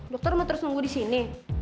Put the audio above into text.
dokter mau terus nunggu di sini